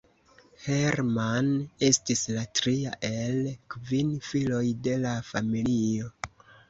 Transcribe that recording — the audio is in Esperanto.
Hermann estis la tria el kvin filoj de la familio.